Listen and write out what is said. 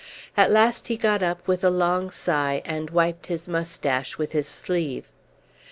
At last he got up with a long sigh, and wiped his moustache with his sleeve.